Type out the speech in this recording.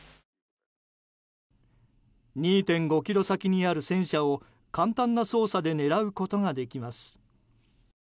２．５ｋｍ先にある戦車を簡単な操作で狙うことができます。